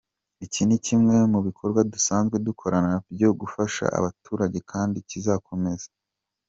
Iki ni kimwe mu bikorwa dusanzwe dukora byo gufasha abaturage kandi kizakomeza”.